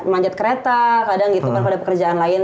manjat kereta kadang gitu kan pada pekerjaan lain